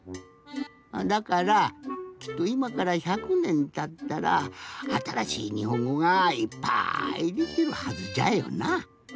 だからきっといまから１００ねんたったらあたらしいにほんごがいっぱいできるはずじゃよな。